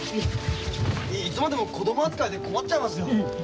いつまでも子ども扱いで困っちゃいますよ。